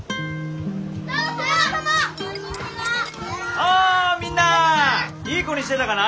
おみんないい子にしてたかな？